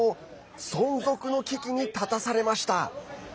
存続の危機に立たされました。